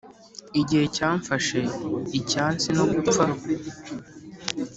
igihe cyamfashe icyatsi no gupfa